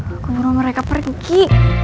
aku murah mereka pergi